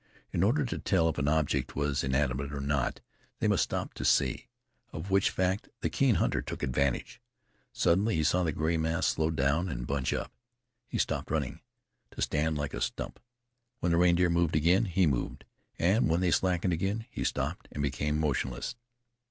In order to tell if an object was inanimate or not, they must stop to see, of which fact the keen hunter took advantage. Suddenly he saw the gray mass slow down and bunch up. He stopped running, to stand like a stump. When the reindeer moved again, he moved, and when they slackened again, he stopped and became motionless.